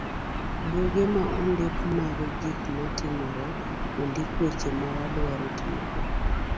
buge ma ondik mag gik matimore, ondik weche ma wadwaro tiyogo.